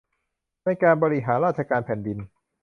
ในการบริหารราชการแผ่นดิน